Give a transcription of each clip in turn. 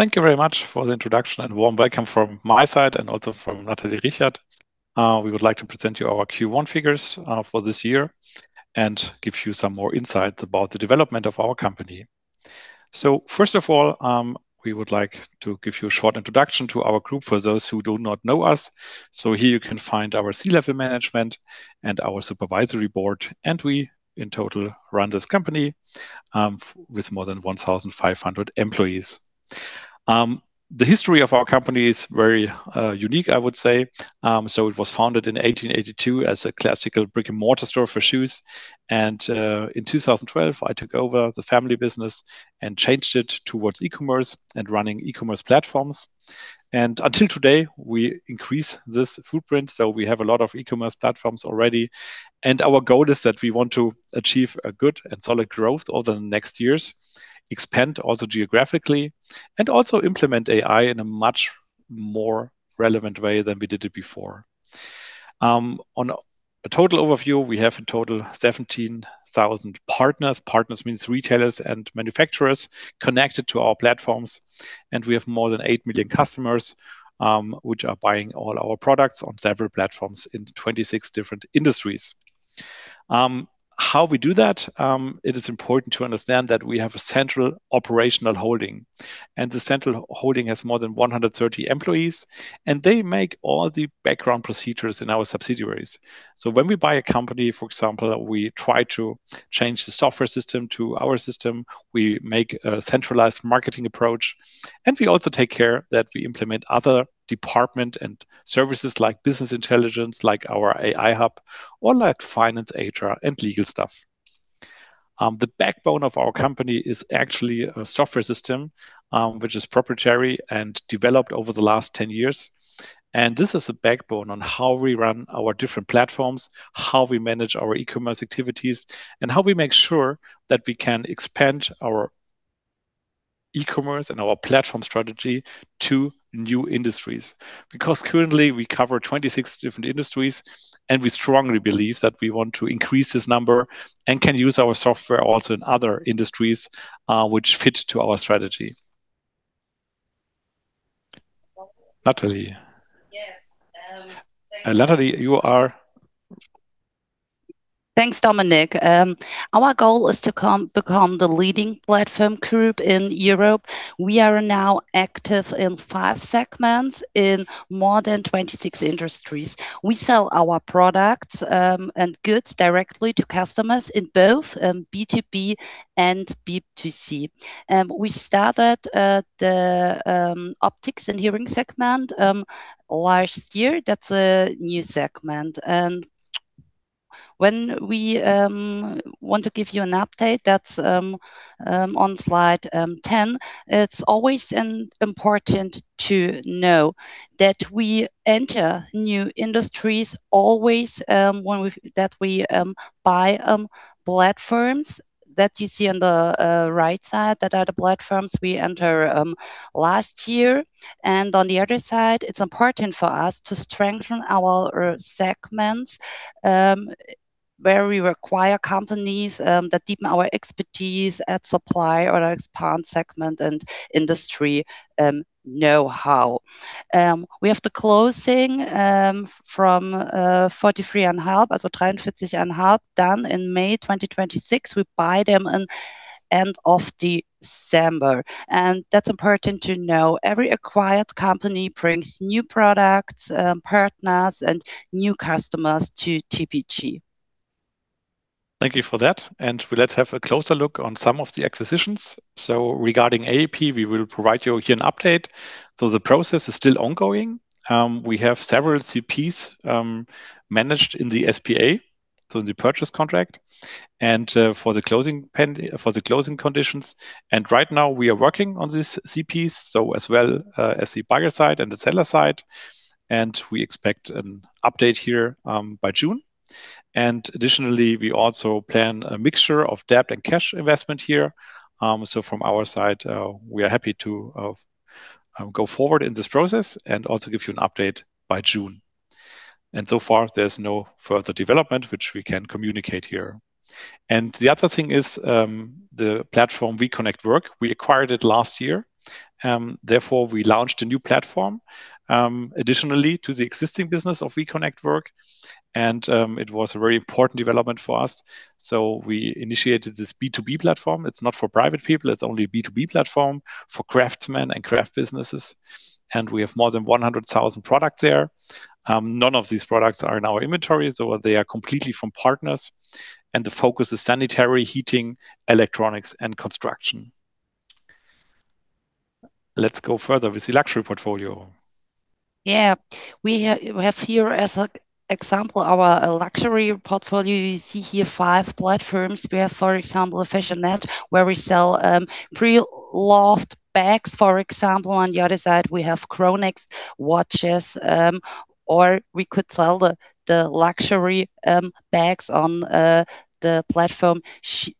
Thank you very much for the introduction and warm welcome from my side and also from Nathalie Richert. We would like to present you our Q1 figures for this year and give you some more insights about the development of our company. First of all, we would like to give you a short introduction to our group for those who do not know us. Here you can find our C-level management and our supervisory board, and we in total run this company with more than 1,500 employees. The history of our company is very unique, I would say. It was founded in 1882 as a classical brick-and-mortar store for shoes. In 2012, I took over the family business and changed it towards e-commerce and running e-commerce platforms. Until today, we increase this footprint, so we have a lot of e-commerce platforms already. Our goal is that we want to achieve a good and solid growth over the next years, expand also geographically, and also implement AI in a much more relevant way than we did it before. On a total overview, we have in total 17,000 partners. Partners means retailers and manufacturers connected to our platforms. We have more than 8 million customers, which are buying all our products on several platforms in 26 different industries. How we do that, it is important to understand that we have a central operational holding. The central holding has more than 130 employees, They make all the background procedures in our subsidiaries. When we buy a company, for example, we try to change the software system to our system, we make a centralized marketing approach, and we also take care that we implement other department and services like business intelligence, like our AI hub, or like finance, HR, and legal stuff. The backbone of our company is actually a software system, which is proprietary and developed over the last 10 years. This is a backbone on how we run our different platforms, how we manage our e-commerce activities, and how we make sure that we can expand our e-commerce and our platform strategy to new industries. Currently we cover 26 different industries, and we strongly believe that we want to increase this number and can use our software also in other industries, which fit to our strategy. Nathalie. Yes. Thank you. Nathalie, you are. Thanks, Dominik. Our goal is to become the leading Platform Group in Europe. We are now active in five segments in more than 26 industries. We sell our products and goods directly to customers in both B2B and B2C. We started the Optics & Hearing segment last year. That's a new segment. When we want to give you an update, that's on slide 10. It's always important to know that we enter new industries, always, that we buy platforms that you see on the right side that are the platforms we enter last year. On the other side, it's important for us to strengthen our segments, where we acquire companies, that deepen our expertise at supply or expand segment and industry know-how. We have the closing, from 43einhalb, also 43einhalb, done in May 2026. We buy them in end of December, that's important to know. Every acquired company brings new products, partners, and new customers to TPG. Thank you for that. Let's have a closer look on some of the acquisitions. Regarding AEP, we will provide you here an update. The process is still ongoing. We have several CPs managed in the SPA, so the purchase contract and for the closing conditions. Right now we are working on these CPs, as the buyer side and the seller side. We expect an update here by June. Additionally, we also plan a mixture of debt and cash investment here. From our side, we are happy to go forward in this process and also give you an update by June. So far, there's no further development which we can communicate here. The other thing is, the platform We Connect Work, we acquired it last year. We launched a new platform, additionally to the existing business of We Connect Work. It was a very important development for us. We initiated this B2B platform. It's not for private peopl; it's only a B2B platform for craftsmen and craft businesses. We have more than 100,000 products there. None of these products are in our inventory, so they are completely from partners, and the focus is sanitary, heating, electronics, and construction. Let's go further with the luxury portfolio. Yeah. We have here as an example our luxury portfolio. You see here five platforms. We have, for example, fashionette, where we sell pre-loved bags, for example. On the other side, we have CHRONEXT watches, or we could sell the luxury bags on the platform, Joli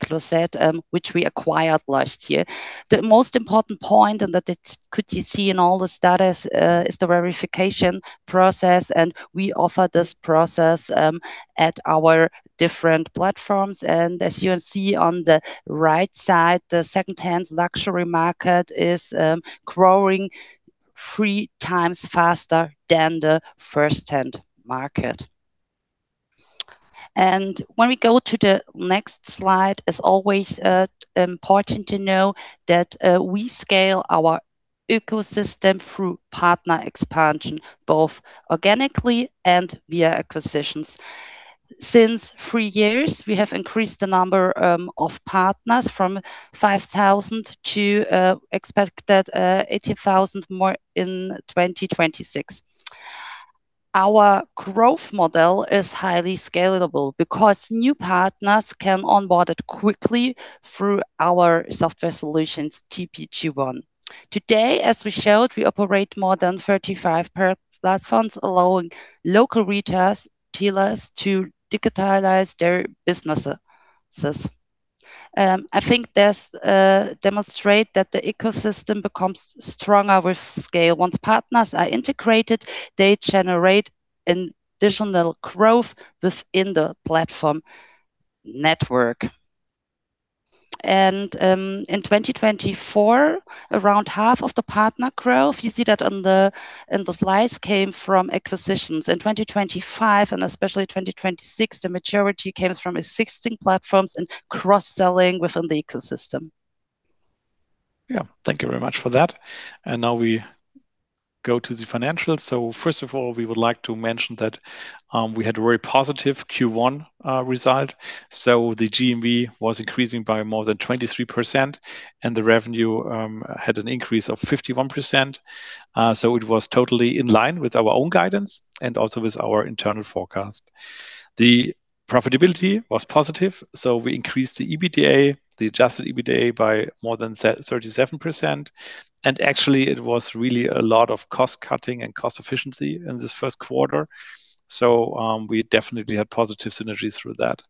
Closet, which we acquired last year. The most important point that could you see in all the status is the verification process. We offer this process at our different platforms. As you can see on the right side, the secondhand luxury market is growing three times faster than the firsthand market. When we go to the next slide, it's always important to know that we scale our ecosystem through partner expansion, both organically and via acquisitions. Since three years, we have increased the number of partners from 5,000 to expected 18,000 more in 2026. Our growth model is highly scalable because new partners can onboard it quickly through our software solutions, TPG One. Today, as we showed, we operate more than 35 platforms, allowing local retailers to digitalize their businesses. I think this demonstrates that the ecosystem becomes stronger with scale. Once partners are integrated, they generate additional growth within the platform network. In 2024, around half of the partner growth, you see that on the slides, came from acquisitions. In 2025 and especially 2026, the majority comes from existing platforms and cross-selling within the ecosystem. Yeah. Thank you very much for that. Now we go to the financials. First of all, we would like to mention that we had a very positive Q1 result. The GMV was increasing by more than 23%, and the revenue had an increase of 51%. It was totally in line with our own guidance and also with our internal forecast. The profitability was positive. We increased the EBITDA, the adjusted EBITDA by more than 37%. Actually, it was really a lot of cost-cutting and cost efficiency in this first quarter. We definitely had positive synergies through that.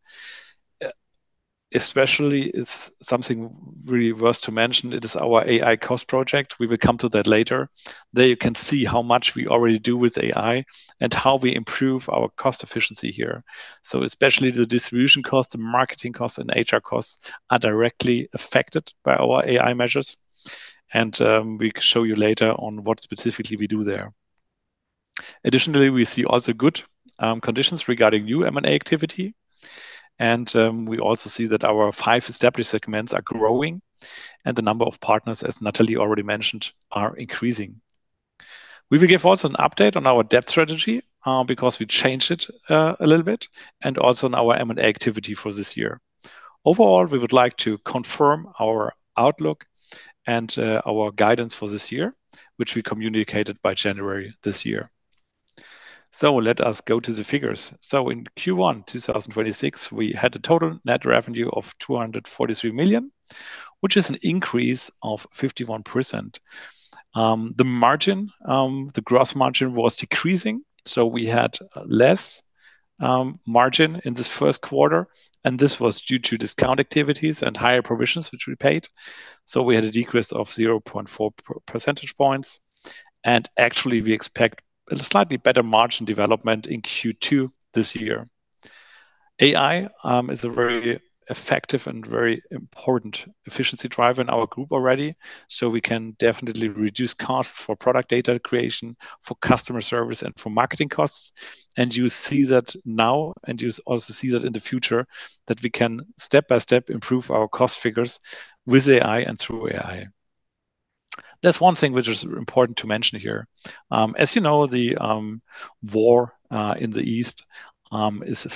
Especially, it's something really worth to mention, it is our AI cost project. We will come to that later. There, you can see how much we already do with AI and how we improve our cost efficiency here. Especially the distribution costs, the marketing costs, and HR costs are directly affected by our AI measures. We show you later on what specifically we do there. Additionally, we see also good conditions regarding new M&A activity. We also see that our five established segments are growing and the number of partners, as Nathalie already mentioned, are increasing. We will give also an update on our debt strategy, because we changed it a little bit, and also on our M&A activity for this year. Overall, we would like to confirm our outlook and our guidance for this year, which we communicated by January this year. Let us go to the figures. In Q1 2026, we had a total net revenue of 243 million, which is an increase of 51%. The gross margin was decreasing, so we had less margin in this first quarter, and this was due to discount activities and higher provisions which we paid. We had a decrease of 0.4 percentage points. Actually, we expect a slightly better margin development in Q2 this year. AI is a very effective and very important efficiency driver in our group already, so we can definitely reduce costs for product data creation, for customer service, and for marketing costs. You see that now, and you also see that in the future that we can step by step improve our cost figures with AI and through AI. There's one thing which is important to mention here. As you know, the war in the Middle East is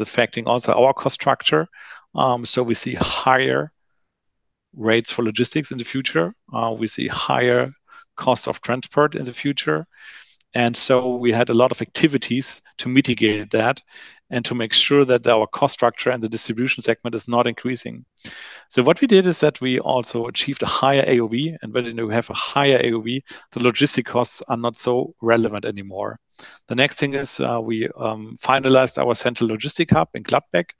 affecting also our cost structure. We see higher rates for logistics in the future. We see higher costs of transport in the future. We had a lot of activities to mitigate that and to make sure that our cost structure and the distribution segment is not increasing. What we did is that we also achieved a higher AOV, and when we have a higher AOV, the logistic costs are not so relevant anymore. The next thing is we finalized our central logistic hub in Gladbeck.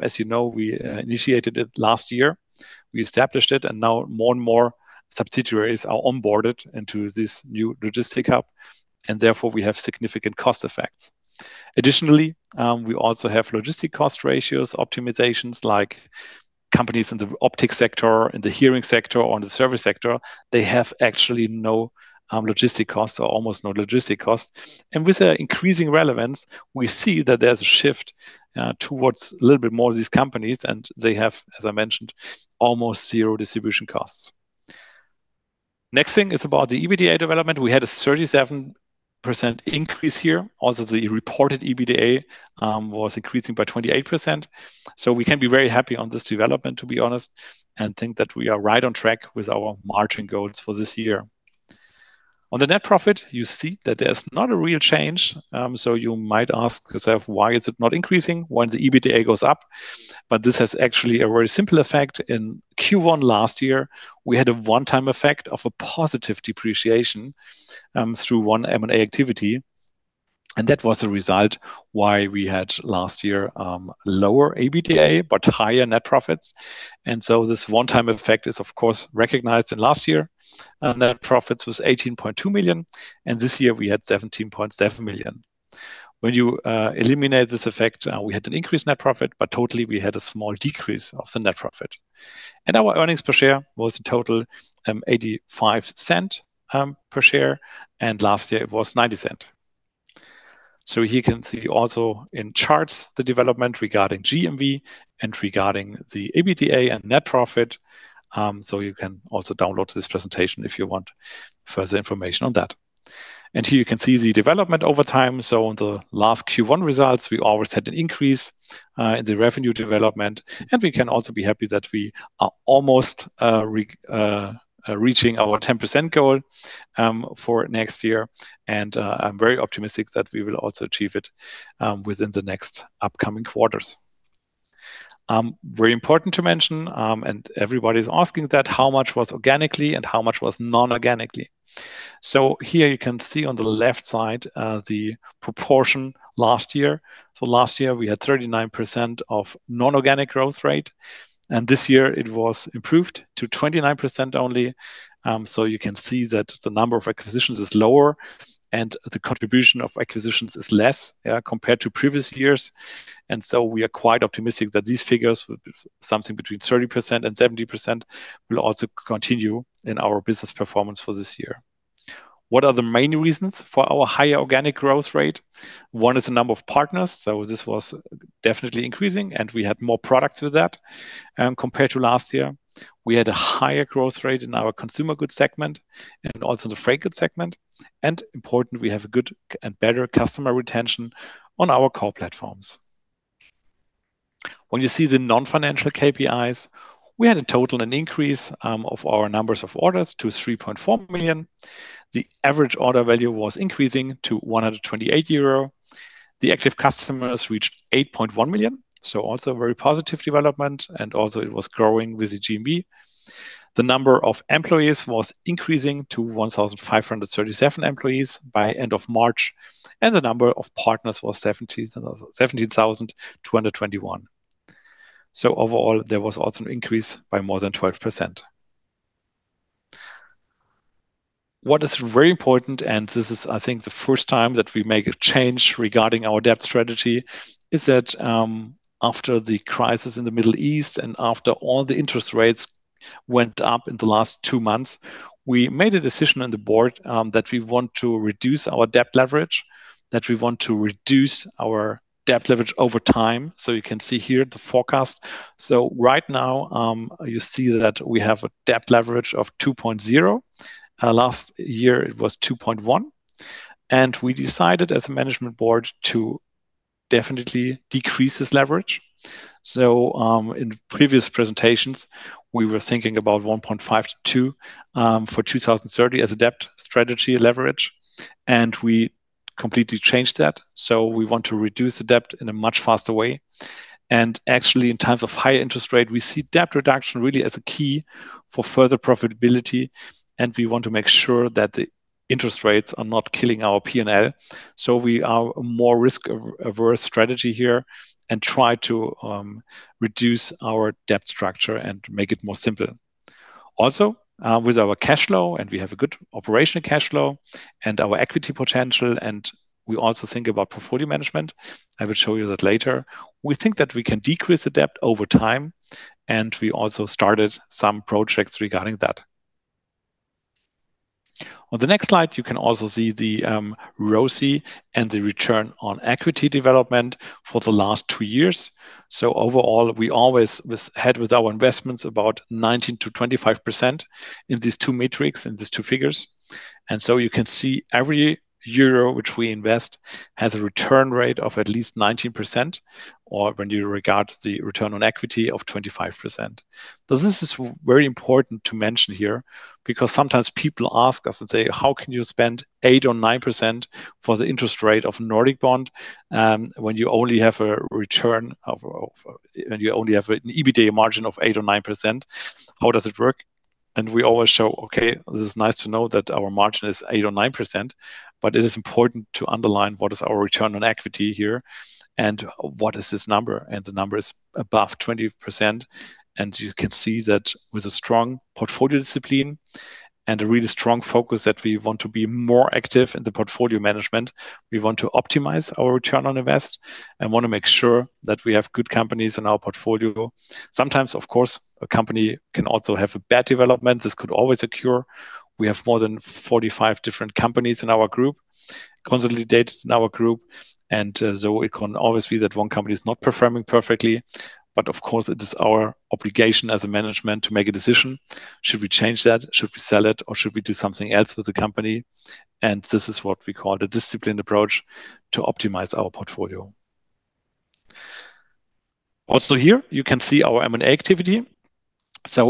As you know, we initiated it last year. We established it, and now more and more subsidiaries are onboarded into this new logistic hub, and therefore, we have significant cost effects. Additionally, we also have logistic cost ratios optimizations, like companies in the Optic sector, in the hearing sector, or in the service sector, they have actually no logistic costs or almost no logistic costs. With increasing relevance, we see that there's a shift towards a little bit more of these companies, and they have, as I mentioned, almost zero distribution costs. Next thing is about the EBITDA development. We had a 37% increase here. The reported EBITDA was increasing by 28%. We can be very happy on this development, to be honest, and think that we are right on track with our margin goals for this year. On the net profit, you see that there's not a real change. You might ask yourself, why is it not increasing when the EBITDA goes up? This has actually a very simple effect. In Q1 last year, we had a one-time effect of a positive depreciation through one M&A activity, and that was the result why we had last year lower EBITDA but higher net profits. This one-time effect is of course recognized in last year. Net profits was 18.2 million, and this year we had 17.7 million. When you eliminate this effect, we had an increased net profit, but totally we had a small decrease of the net profit. Our earnings per share was a total 0.85 per share, and last year it was 0.90. Here you can see also in charts, the development regarding GMV and regarding the EBITDA and net profit. You can also download this presentation if you want further information on that. Here you can see the development over time. On the last Q1 results, we always had an increase in the revenue development, and we can also be happy that we are almost reaching our 10% goal for next year, and I'm very optimistic that we will also achieve it within the next upcoming quarters. Very important to mention, and everybody's asking that, how much was organically and how much was non-organically. Here you can see on the left side the proportion last year. Last year we had 39% of non-organic growth rate, and this year it was improved to 29% only. You can see that the number of acquisitions is lower and the contribution of acquisitions is less compared to previous years. We are quite optimistic that these figures, something between 30%-70%, will also continue in our business performance for this year. What are the main reasons for our higher organic growth rate? One is the number of partners, so this was definitely increasing, and we had more products with that. Compared to last year, we had a higher growth rate in our consumer goods segment and also the freight goods segment, and important, we have a good and better customer retention on our core platforms. When you see the non-financial KPIs, we had in total an increase of our numbers of orders to 3.4 million. The average order value was increasing to 128 euro. The active customers reached 8.1 million, so also very positive development and also it was growing with the GMV. The number of employees was increasing to 1,537 employees by end of March, and the number of partners was 17,221. Overall, there was also an increase by more than 12%. What is very important, and this is, I think, the first time that we make a change regarding our debt strategy, is that, after the crisis in the Middle East and after all the interest rates went up in the last two months, we made a decision on the board that we want to reduce our debt leverage, that we want to reduce our debt leverage over time. You can see here the forecast. Right now, you see that we have a debt leverage of 2.0. Last year it was 2.1. We decided as a management board to definitely decrease this leverage. In previous presentations, we were thinking about 1.5 to 2 for 2030 as a debt strategy leverage, and we completely changed that. We want to reduce the debt in a much faster way. Actually, in times of high interest rate, we see debt reduction really as a key for further profitability, and we want to make sure that the interest rates are not killing our P&L. We are a more risk-averse strategy here and try to reduce our debt structure and make it more simple. Also, with our cash flow, and we have a good operational cash flow and our equity potential, and we also think about portfolio management. I will show you that later. We think that we can decrease the debt over time, and we also started some projects regarding that. On the next slide, you can also see the ROCE and the return on equity development for the last two years. Overall, we always had with our investments about 19%-25% in these two metrics, in these two figures. You can see every euro which we invest has a return rate of at least 19%, or when you regard the return on equity of 25%. This is very important to mention here because sometimes people ask us and say, "How can you spend 8% or 9% for the interest rate of Nordic Bond, when you only have an EBITDA margin of 8% or 9%? How does it work?" We always show, okay, this is nice to know that our margin is 8% or 9%, but it is important to underline what is our return on equity here and what is this number, and the number is above 20%. You can see that with a strong portfolio discipline and a really strong focus that, we want to be more active in the portfolio management. We want to optimize our return on invest and want to make sure that we have good companies in our portfolio. Sometimes, of course, a company can also have a bad development. This could always occur. We have more than 45 different companies in our group, consolidated in our group, it can always be that one company is not performing perfectly. Of course, it is our obligation as a management to make a decision. Should we change that? Should we sell it, or should we do something else with the company? This is what we call a disciplined approach to optimize our portfolio. Also, here you can see our M&A activity.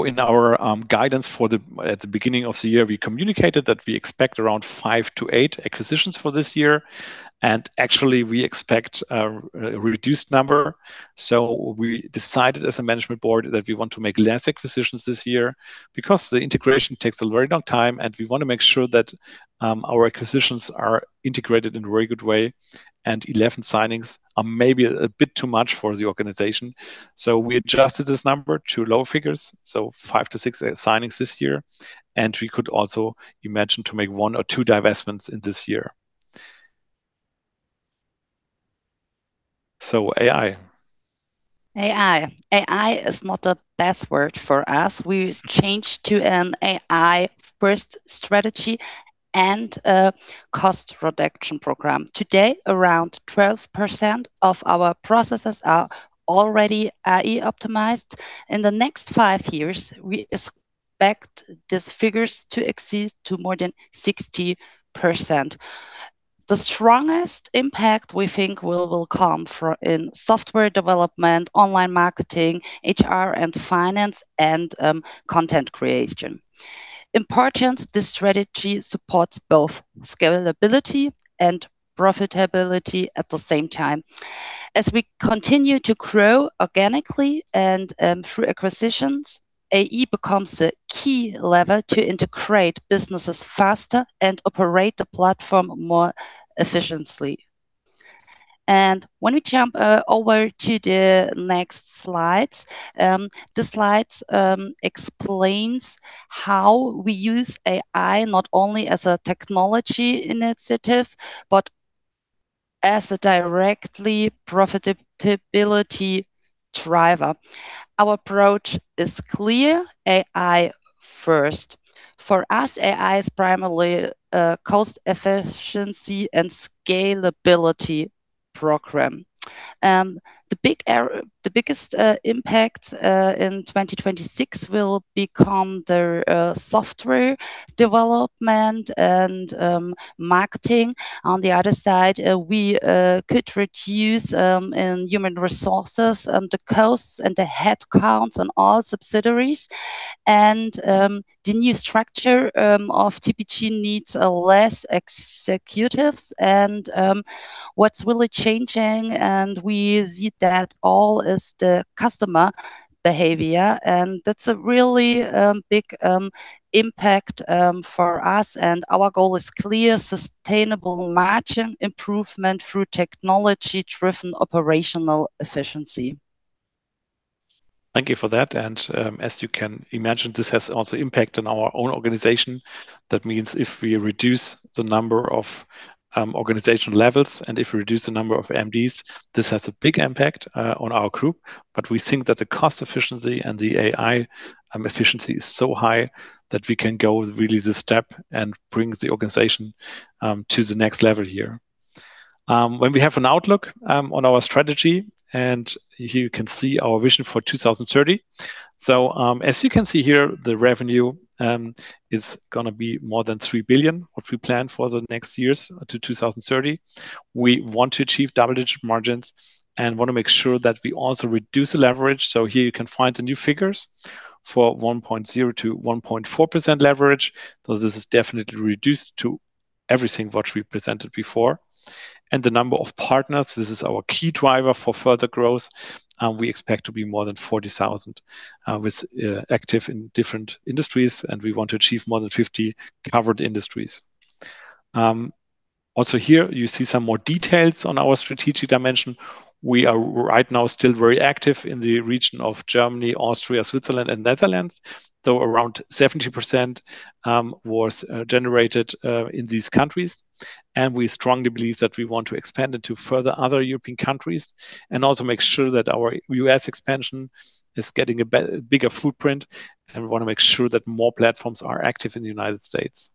In our guidance at the beginning of the year, we communicated that we expect around five to eight acquisitions for this year; actually, we expect a reduced number. We decided as a management board that we want to make less acquisitions this year because the integration takes a very long time, and we want to make sure that our acquisitions are integrated in a very good way, and 11 signings are maybe a bit too much for the organization. We adjusted this number to lower figures, so five to six signings this year. We could also imagine to make one or two divestments in this year. AI. AI. AI is not a bad word for us. We've changed to an AI-first strategy and a cost reduction program. Today, around 12% of our processes are already AI optimized. In the next five years, we expect these figures to exceed to more than 60%. The strongest impact we think will come in software development, online marketing, HR and finance, and content creation. Important: this strategy supports both scalability and profitability at the same time. As we continue to grow organically and through acquisitions, AI becomes a key lever to integrate businesses faster and operate the platform more efficiently. When we jump over to the next slides, the slides explains how we use AI not only as a technology initiative, but as a directly profitability driver. Our approach is clear: AI first. For us, AI is primarily a cost efficiency and scalability program. The biggest impact in 2026 will become the software development and marketing. On the other side, we could reduce in human resources, the costs and the headcounts on all subsidiaries. The new structure of TPG needs less executives. What's really changing, and we see that all, is the customer behavior, and that's a really big impact for us. Our goal is clear: sustainable margin improvement through technology-driven operational efficiency. Thank you for that. As you can imagine, this has also impact on our own organization. That means if we reduce the number of organization levels and if we reduce the number of MDs, this has a big impact on our group. We think that the cost efficiency and the AI efficiency is so high that we can go really this step and bring the organization to the next level here. When we have an outlook on our strategy, and here you can see our vision for 2030. As you can see here, the revenue is going to be more than 3 billion, what we plan for the next years to 2030. We want to achieve double-digit margins and want to make sure that we also reduce the leverage. Here you can find the new figures for 1.0%-1.4% leverage. This is definitely reduced to everything what we presented before. The number of partners, this is our key driver for further growth. We expect to be more than 40,000 with active in different industries, and we want to achieve more than 50 covered industries. Also, here you see some more details on our strategic dimension. We are right now still very active in the region of Germany, Austria, Switzerland and Netherlands, though around 70% was generated in these countries. We strongly believe that we want to expand it to further other European countries and also make sure that our U.S. expansion is getting a bigger footprint, and we want to make sure that more platforms are active in the United States.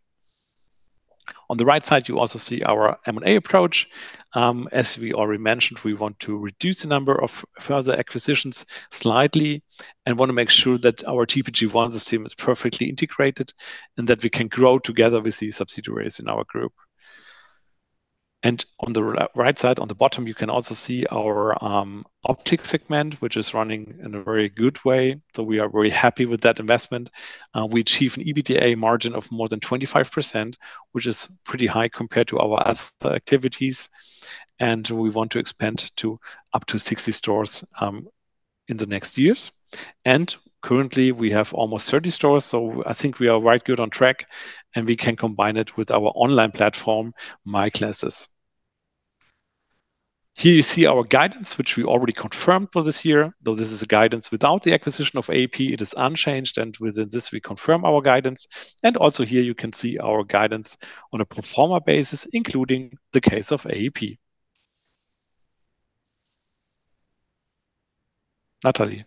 On the right side, you also see our M&A approach. As we already mentioned, we want to reduce the number of further acquisitions slightly and want to make sure that our TPG One system is perfectly integrated and that we can grow together with the subsidiaries in our group. On the right side, on the bottom, you can also see our Optic segment, which is running in a very good way. We are very happy with that investment. We achieve an EBITDA margin of more than 25%, which is pretty high compared to our other activities. We want to expand to up to 60 stores in the next years. Currently, we have almost 30 stores, I think we are right good on track. We can combine it with our online platform, MyGlasses. Here you see our guidance, which we already confirmed for this year, though this is a guidance without the acquisition of AEP. It is unchanged, and within this, we confirm our guidance. Also, here you can see our guidance on a pro forma basis, including the case of AEP. Nathalie.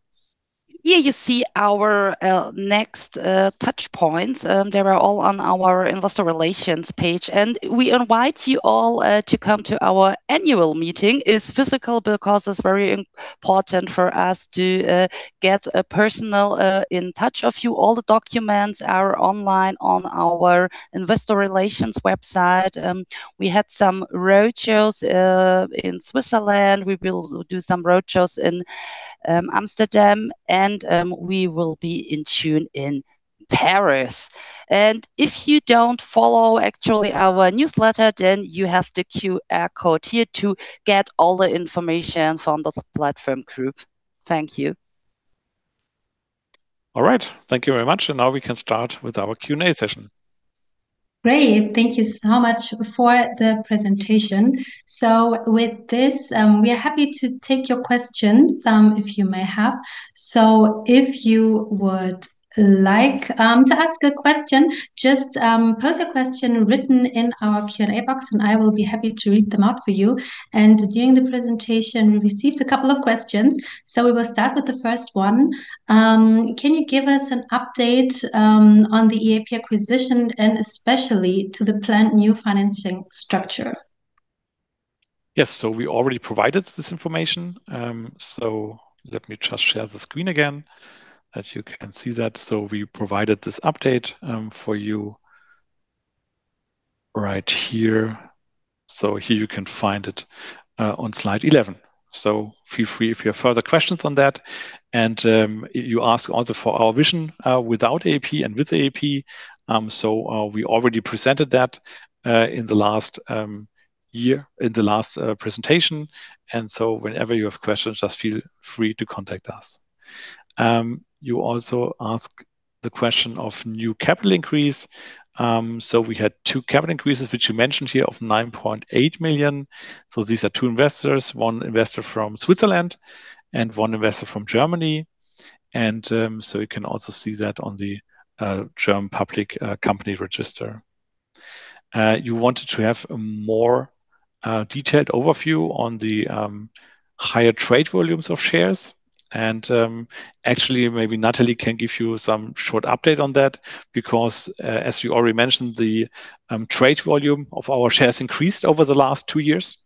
Yeah, you see our next touch points. They were all on our investor relations page, and we invite you all to come to our annual meeting. It's physical because it's very important for us to get personal in touch of you. All the documents are online on our investor relations website. We had some road shows in Switzerland. We will do some road shows in Amsterdam, and we will be in June in Paris. If you don't follow actually our newsletter, then you have the QR code here to get all the information from The Platform Group. Thank you. All right. Thank you very much. Now we can start with our Q&A session. Great. Thank you so much for the presentation. With this, we are happy to take your questions, if you may have. If you would like to ask a question, just post your question written in our Q&A box, and I will be happy to read them out for you. During the presentation, we received a couple of questions, so we will start with the first one. Can you give us an update on the AEP acquisition, and especially to the planned new financing structure? Yes. We already provided this information. Let me just share the screen again that you can see that. We provided this update for you right here. Here you can find it on slide 11. Feel free if you have further questions on that. You ask also for our vision without AEP and with AEP. We already presented that in the last presentation. Whenever you have questions, just feel free to contact us. You also ask the question of new capital increase. We had two capital increases, which you mentioned here of 9.8 million. These are two investors, one investor from Switzerland and one investor from Germany. You can also see that on the German public company register. You wanted to have a more detailed overview on the higher trade volumes of shares. Actually, maybe Nathalie can give you some short update on that because, as you already mentioned, the trade volume of our shares increased over the last two years.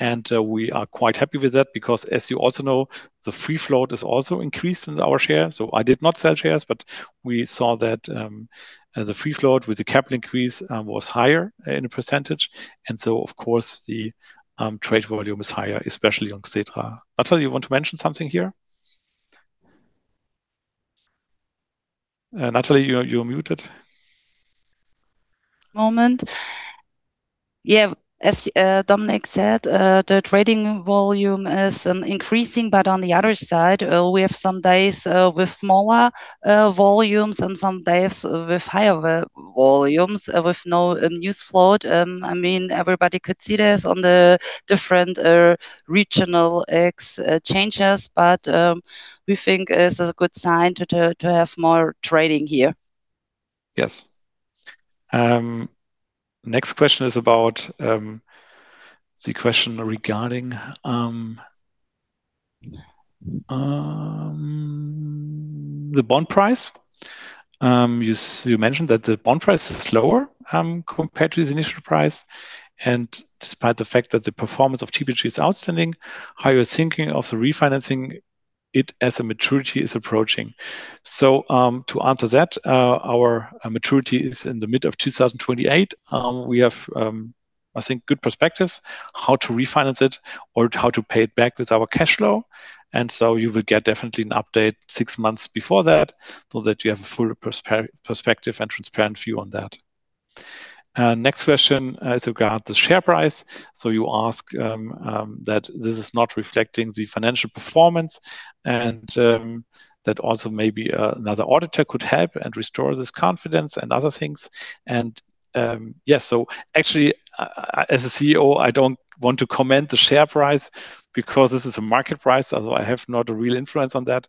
We are quite happy with that because, as you also know, the free float is also increased in our share. I did not sell shares, but we saw that the free float with the capital increase was higher in a percentage. Of course, the trade volume is higher, especially on Xetra. Nathalie, you want to mention something here? Nathalie, you're muted. Yeah. As Dominik said, the trading volume is increasing, but on the other side, we have some days with smaller volumes and some days with higher volumes with no news float. Everybody could see this on the different regional exchanges, but we think it is a good sign to have more trading here. Yes. Next question is regarding the bond price. You mentioned that the bond price is lower compared to its initial price, and despite the fact that the performance of TPG is outstanding, how you're thinking of the refinancing it as a maturity is approaching? To answer that, our maturity is in the mid of 2028. We have, I think, good perspectives how to refinance it or how to pay it back with our cash flow. You will get definitely an update six months before that so that you have a full perspective and transparent view on that. Next question is regarding the share price. You ask that this is not reflecting the financial performance, and that also maybe another auditor could help and restore this confidence and other things. Yeah, actually, as a CEO, I don't want to comment the share price because this is a market price, although I have not a real influence on that.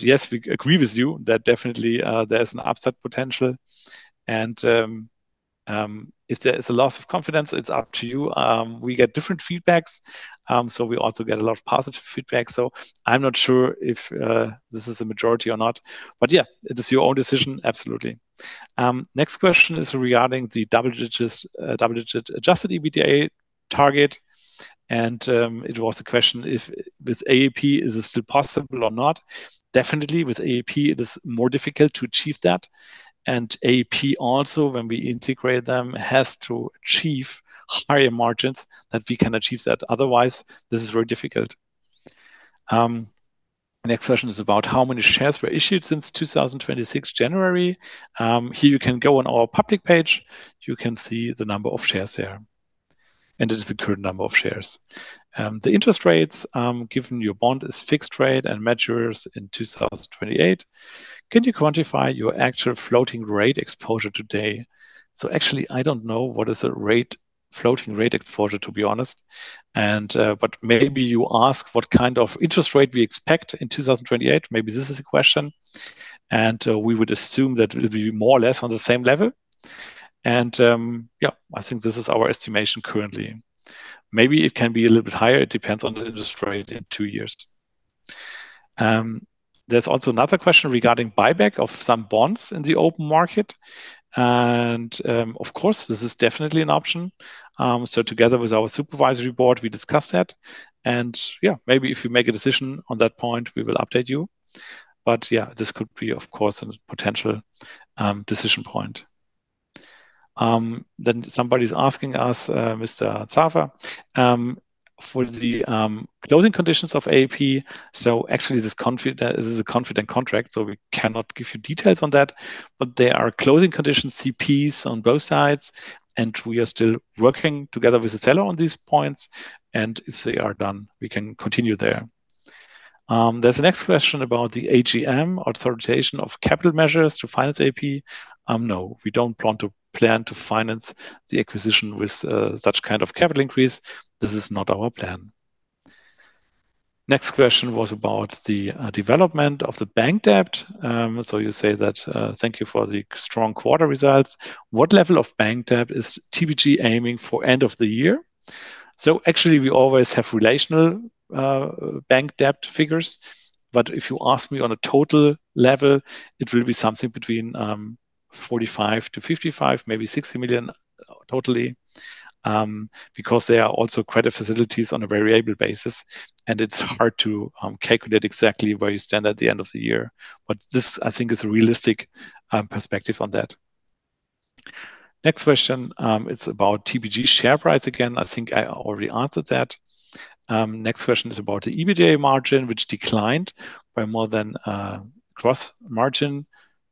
Yes, we agree with you that definitely there's an upside potential, and if there is a loss of confidence, it's up to you. We get different feedbacks. We also get a lot of positive feedback. I'm not sure if this is a majority or not, but yeah, it is your own decision absolutely. Next question is regarding the double-digit adjusted EBITDA target. It was a question if with AEP is it still possible or not? Definitely, with AEP, it is more difficult to achieve that. AEP also, when we integrate them, has to achieve higher margins that we can achieve that. Otherwise, this is very difficult. Next question is about how many shares were issued since 2026 January. Here you can go on our public page. You can see the number of shares there, and it is the current number of shares. The interest rates, given your bond is fixed rate and matures in 2028, can you quantify your actual floating rate exposure today? Actually, I don't know what is a floating rate exposure, to be honest. Maybe you ask what kind of interest rate we expect in 2028. Maybe this is a question. We would assume that it'll be more or less on the same level. Yeah, I think this is our estimation currently. Maybe it can be a little bit higher. It depends on the interest rate in two years. There is also another question regarding buyback of some bonds in the open market. Of course, this is definitely an option. Together with our supervisory board, we discussed that. Maybe if we make a decision on that point, we will update you. This could be, of course, a potential decision point. Somebody's asking us, Mr. Zafer, for the closing conditions of AEP. Actually, this is a confident contract, so we cannot give you details on that. There are closing condition CPs on both sides, and we are still working together with the seller on these points, and if they are done, we can continue. There's a next question about the AGM authorization of capital measures to finance AEP. No, we don't plan to finance the acquisition with such kind of capital increase. This is not our plan. Next question was about the development of the bank debt. You say that, thank you for the strong quarter results. What level of bank debt is TPG aiming for end of the year? Actually, we always have relational bank debt figures, but if you ask me on a total level, it will be something between 45 million-55 million, maybe 60 million totally, because there are also credit facilities on a variable basis, and it is hard to calculate exactly where you stand at the end of the year. This, I think, is a realistic perspective on that. Next question, it is about TPG share price again. I think I already answered that. Next question is about the EBITDA margin, which declined by more than gross margin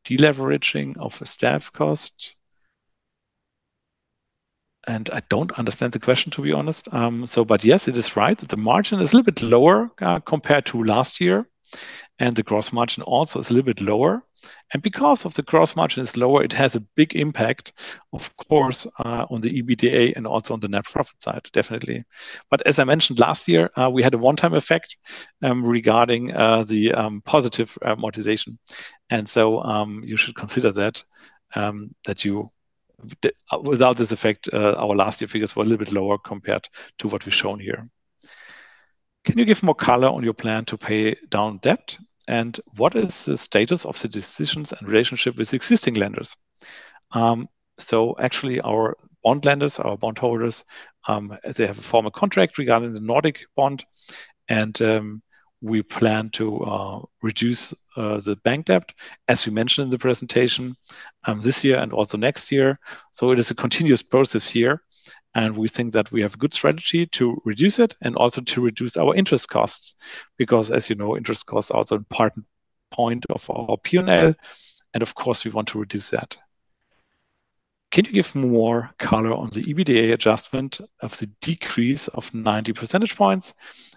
deleveraging of staff cost. I do not understand the question, to be honest. Yes, it is right. The margin is a little bit lower compared to last year, and the gross margin also is a little bit lower. Because of the gross margin is lower, it has a big impact, of course, on the EBITDA and also on the net profit side, definitely. As I mentioned, last year, we had a one-time effect regarding the positive amortization. You should consider that, without this effect, our last year figures were a little bit lower compared to what we've shown here. Can you give more color on your plan to pay down debt? What is the status of the decisions and relationship with existing lenders? Actually, our bond lenders, our bond holders, they have a formal contract regarding the Nordic Bond. We plan to reduce the bank debt, as we mentioned in the presentation, this year and also next year. It is a continuous process here, and we think that we have good strategy to reduce it and also to reduce our interest costs, because as you know, interest costs are also point of our P&L, and of course, we want to reduce that. Can you give more color on the EBITDA adjustment of the decrease of 90 percentage points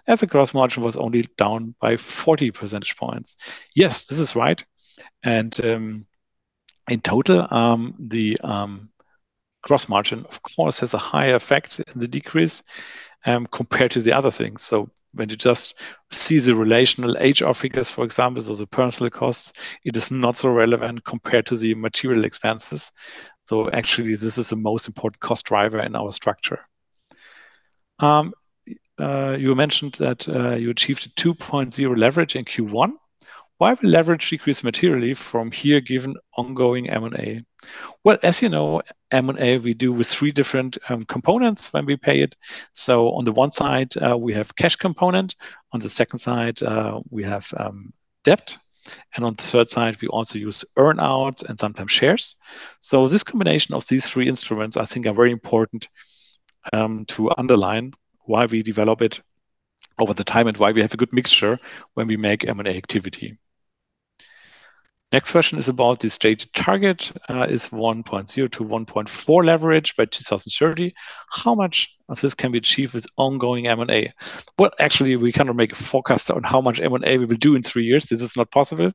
as the gross margin was only down by 40 percentage points? Yes, this is right. In total, the gross margin, of course, has a higher effect in the decrease compared to the other things. When you just see the relational HR figures, for example, those are personal costs, it is not so relevant compared to the material expenses. Actually, this is the most important cost driver in our structure. You mentioned that you achieved a 2.0 leverage in Q1. Why have leverage decreased materially from here, given ongoing M&A? Well, as you know, M&A we do with three different components when we pay it. On the one side, we have cash component. On the second side, we have debt. On the third side, we also use earn-outs and sometimes shares. This combination of these three instruments, I think, are very important to underline why we develop it over the time and why we have a good mixture when we make M&A activity. Next question is about the stated target is 1.0 to 1.4 leverage by 2030. How much of this can be achieved with ongoing M&A? Well, actually, we cannot make a forecast on how much M&A we will do in three years. This is not possible.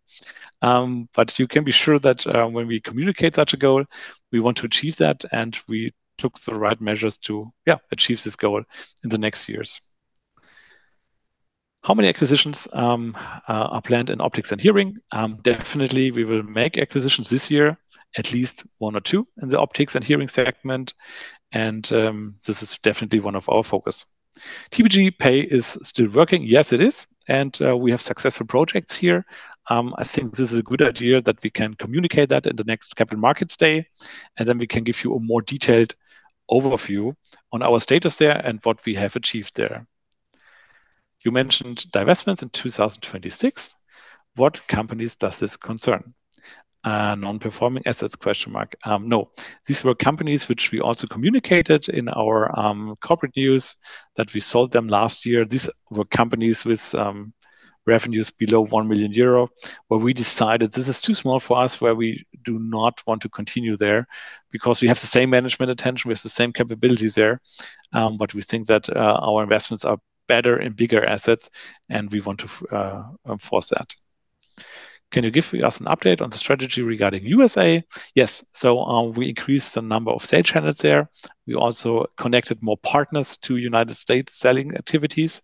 You can be sure that when we communicate such a goal, we want to achieve that, and we took the right measures to achieve this goal in the next years. How many acquisitions are planned in Optics & Hearing? Definitely, we will make acquisitions this year, at least one or two in the Optics & Hearing segment. This is definitely one of our focus. TPG Pay is still working. Yes, it is. We have successful projects here. I think this is a good idea that we can communicate that in the next Capital Markets Day, then we can give you a more detailed overview on our status there and what we have achieved there. You mentioned divestments in 2026. What companies does this concern? Non-performing assets, question mark. No. These were companies which we also communicated in our corporate news that we sold them last year. These were companies with revenues below 1 million euro, where we decided this is too small for us, where we do not want to continue there because we have the same management attention, we have the same capabilities there. We think that our investments are better in bigger assets, and we want to force that. Can you give us an update on the strategy regarding USA? Yes. We increased the number of sales channels there. We also connected more partners to United States selling activities.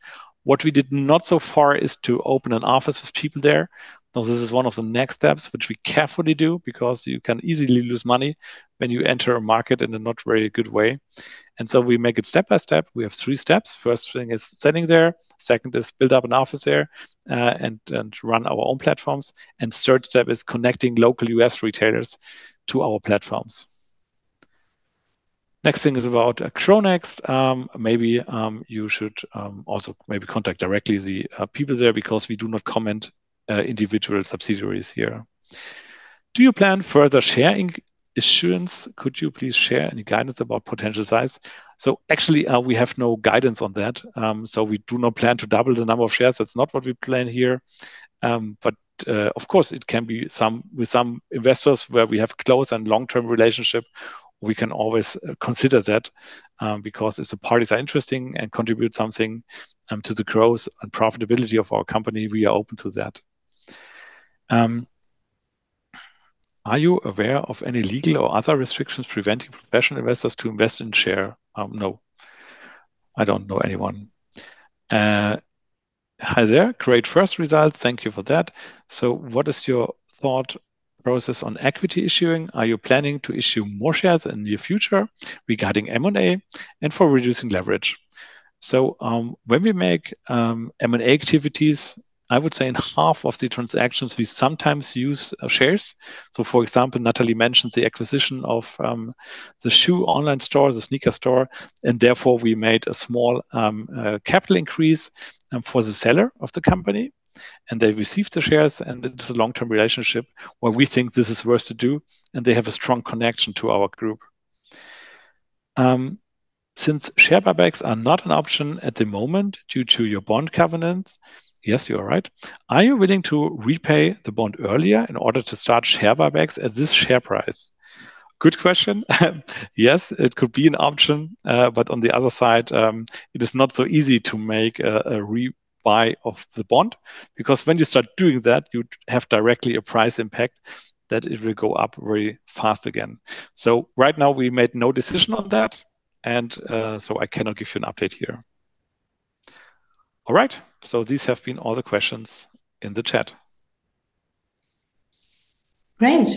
What we did not so far is to open an office with people there. This is one of the next steps, which we carefully do because you can easily lose money when you enter a market in a not very good way. We make it step by step. We have three steps. First thing is setting there. Second is build up an office there and run our own platforms. Third step is connecting local U.S. retailers to our platforms. Next thing is about CHRONEXT. Maybe you should also contact directly the people there because we do not comment individual subsidiaries here. Do you plan further share issuance? Could you please share any guidance about potential size? Actually, we have no guidance on that. We do not plan to double the number of shares. That's not what we plan here. Of course, it can be with some investors where we have close and long-term relationship, we can always consider that because if the parties are interesting and contribute something to the growth and profitability of our company, we are open to that. Are you aware of any legal or other restrictions preventing professional investors to invest in share? No, I don't know anyone. Hi there. Great first results. Thank you for that. What is your thought process on equity issuing? Are you planning to issue more shares in the near future regarding M&A and for reducing leverage? When we make M&A activities, I would say in half of the transactions, we sometimes use shares. For example, Nathalie mentioned the acquisition of the shoe online store, the sneaker store, and therefore, we made a small capital increase for the seller of the company, and they received the shares, and it's a long-term relationship where we think this is worth to do, and they have a strong connection to our group. Since share buybacks are not an option at the moment due to your bond covenant. Yes, you are right. Are you willing to repay the bond earlier in order to start share buybacks at this share price? Good question. Yes, it could be an option. On the other side, it is not so easy to make a rebuy of the bond because when you start doing that, you have directly a price impact that it will go up very fast again. Right now, we made no decision on that, and so I cannot give you an update here. All right, these have been all the questions in the chat. Great.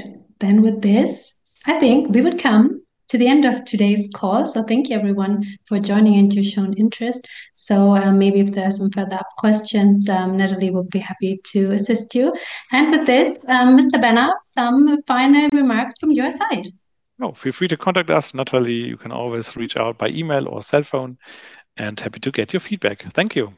With this, I think we would come to the end of today's call. Thank you, everyone, for joining and to your shown interest. Maybe if there are some further up questions, Nathalie will be happy to assist you. With this, Mr. Benner, some final remarks from your side. No, feel free to contact us. Nathalie, you can always reach out by email or cell phone, and happy to get your feedback. Thank you